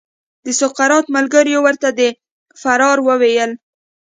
د سقراط ملګریو ورته د فرار وویل.